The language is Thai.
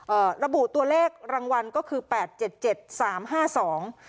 ระบุตัวเลขรางวัลก็คือแปดเจ็ดเจ็ดสามห้าสอง